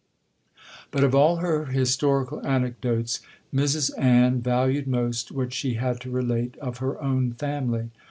'But of all her historical anecdotes, Mrs Ann valued most what she had to relate of her own family.